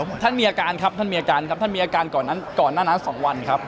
อเจมส์ท่านมีอาการครับท่านมีอาการครับท่านมีอาการก่อนหน้านั้น๒วันครับ